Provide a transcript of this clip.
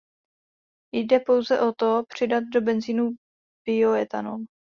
Jde pouze o to, přidat do benzínu bioethanol.